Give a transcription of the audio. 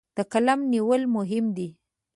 د قلم نیول مهم دي.